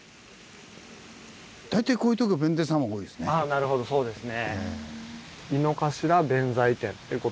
なるほどそうですね。